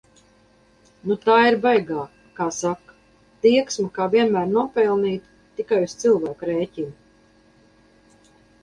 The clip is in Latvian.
Nu, tā ir baigā, kā saka, tieksme kā vienmēr nopelnīt, tikai uz cilvēku rēķina.